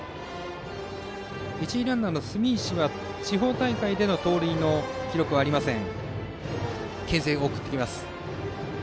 一塁ランナーの住石は地方大会での盗塁の記録はありません。